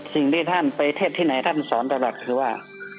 สิ่งที่ท่านไปเทศที่ไหนท่านสอนตลอดคือว่า